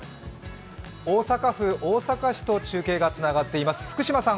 大阪府大阪市と中継がつながっています、福島さん